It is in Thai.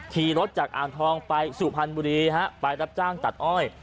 ขี่รถจากอ่างทองไปสุพรรณบุรีฮะไปรับจ้างตัดอ้อย